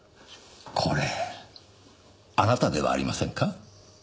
これあなたではありませんか？